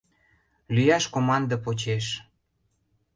Лӱяш команде почеш!